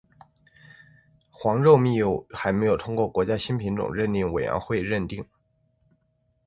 黄肉蜜柚还没有通过国家新品种认定委员会认定。